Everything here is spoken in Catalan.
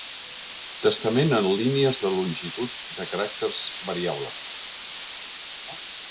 Testament en línies de longitud de caràcters variable.